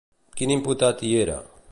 Quin imputat hi era?